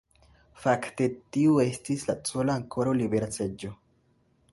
Fakte tiu estis la sola ankoraŭ libera seĝo.